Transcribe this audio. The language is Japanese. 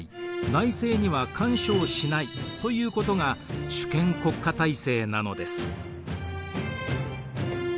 内政には干渉しないということが主権国家体制なのです。